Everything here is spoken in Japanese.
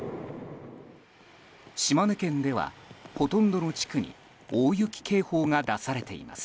島根県では、ほとんどの地区に大雪警報が出されています。